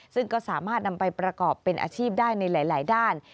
ซึ่งก็สามารถนำไปประกอบเป็นอาชีพได้ในหลายด้าน